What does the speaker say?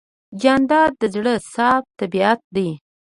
جانداد د زړه صاف طبیعت دی.